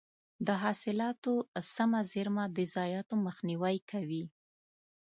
د حاصلاتو سمه زېرمه د ضایعاتو مخنیوی کوي.